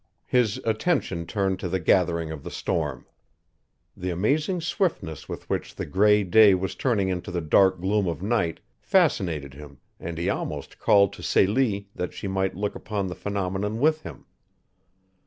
His attention turned to the gathering of the storm. The amazing swiftness with which the gray day was turning into the dark gloom of night fascinated him and he almost called to Celie that she might look upon the phenomenon with him.